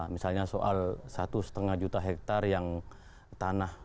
misalnya soal satu lima juta hektare yang tanah